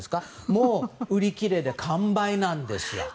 もう売り切れで完売なんです。